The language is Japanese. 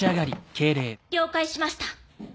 了解しました。